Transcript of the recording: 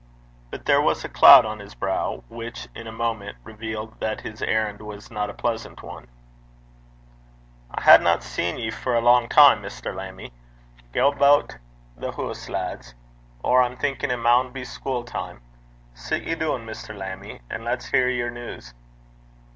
But there was a cloud on his brow which in a moment revealed that his errand was not a pleasant one. 'I haena seen ye for a lang time, Mr. Lammie. Gae butt the hoose, lads. Or I'm thinkin' it maun be schule time. Sit ye doon, Mr. Lammie, and lat's hear yer news.'